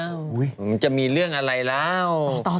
มันจะมีเรื่องอะไรแล้ว